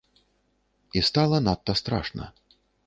І стала надта страшна.